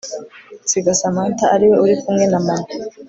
nsiga Samantha ariwe urikumwe na mama